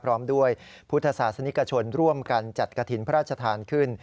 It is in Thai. พร้อมด้วยพุทธศาสนิกชนร่วมกันจัดกระถิ่นพระราชทานขึ้น